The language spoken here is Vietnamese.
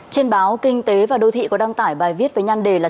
trên báo kinh tế và đô thị có đăng tải bài viết với nhan đề là